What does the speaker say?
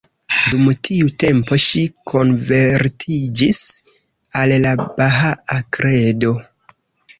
Dum tiu tempo ŝi konvertiĝis al la bahaa kredo.